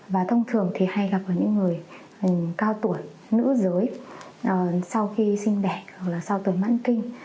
và thông thường thì hay gặp ở những người cao tuổi nữ giới sau khi sinh đẻ hoặc là sau tuần mãn kinh